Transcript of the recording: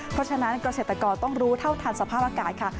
เพราะฉะนั้นเกษตรกรต้องรู้เท่าทันสภาพอากาศค่ะ